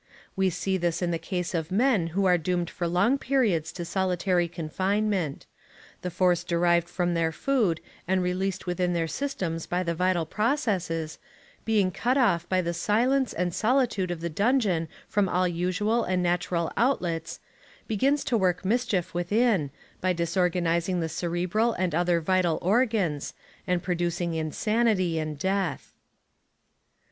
We see this in the case of men who are doomed for long periods to solitary confinement. The force derived from their food, and released within their systems by the vital processes, being cut off by the silence and solitude of the dungeon from all usual and natural outlets, begins to work mischief within, by disorganizing the cerebral and other vital organs, and producing insanity and death.